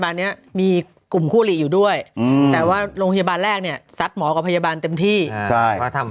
ฮ่าฮ่าฮ่าฮ่าฮ่าฮ่าฮ่าฮ่า